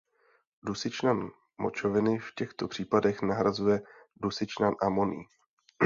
Dusičnan močoviny v těchto případech nahrazuje dusičnan amonný.